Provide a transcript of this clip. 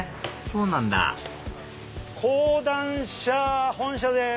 そうなんだ講談社本社です！